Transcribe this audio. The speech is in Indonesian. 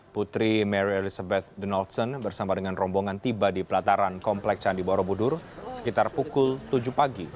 putri mary elizabeth donaldson bersama dengan rombongan tiba di pelataran komplek candi borobudur sekitar pukul tujuh pagi